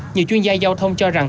nhiều chuyên gia giao thông cho rằng